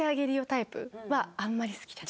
タイプはあんまり好きじゃない。